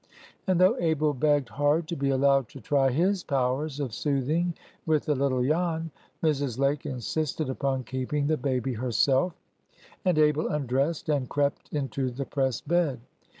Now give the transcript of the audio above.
And though Abel begged hard to be allowed to try his powers of soothing with the little Jan, Mrs. Lake insisted upon keeping the baby herself; and Abel undressed, and crept into the press bed.